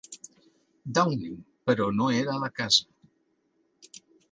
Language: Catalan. Downing, però no era a la casa.